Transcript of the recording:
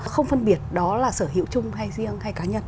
không phân biệt đó là sở hữu chung hay riêng hay cá nhân